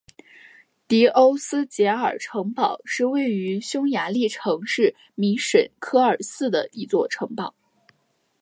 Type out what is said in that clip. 迪欧斯捷尔城堡是位于匈牙利城市米什科尔茨的一座城堡。